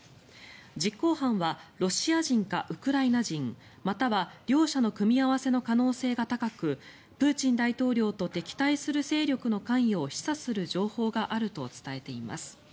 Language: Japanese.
実行犯はロシア人かウクライナ人または両者の組み合わせの可能性が高くプーチン大統領と敵対する勢力の関与を示唆する情報があると伝えています。